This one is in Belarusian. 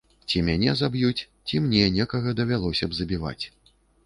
Ці мяне заб'юць, ці мне некага давялося б забіваць.